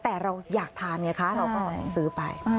แต่เราอยากทานไงคะเราก็ซื้อไป